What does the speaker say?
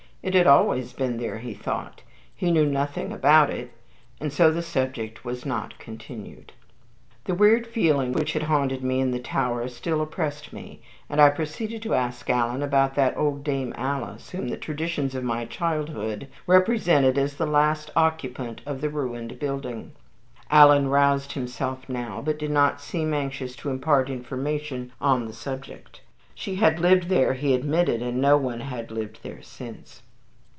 It had always been there, he thought. He knew nothing about it," and so the subject was not continued. The weird feelings which had haunted me in the tower still oppressed me, and I proceeded to ask Alan about that old Dame Alice whom the traditions of my childhood represented as the last occupant of the ruined building. Alan roused himself now, but did not seem anxious to impart information on the subject. She had lived there, he admitted, and no one had lived there since.